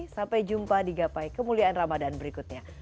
sampai jumpa di gapai kemuliaan ramadhan berikutnya